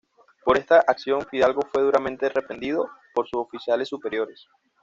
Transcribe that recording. Por esta acción Fidalgo fue duramente reprendido por sus oficiales superiores.